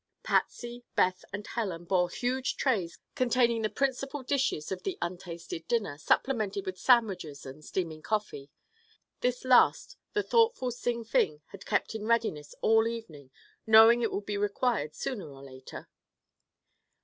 Patsy, Beth and Helen bore huge trays containing the principal dishes of the untasted dinner, supplemented with sandwiches and steaming coffee. This last the thoughtful Sing Fing had kept in readiness all the evening, knowing it would be required sooner or later.